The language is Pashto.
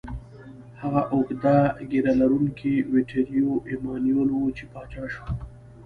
هغه اوږده ږیره لرونکی ویټوریو ایمانویل و، چې پاچا شو.